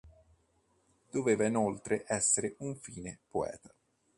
Doveva inoltre essere un fine poeta.